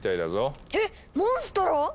えっモンストロ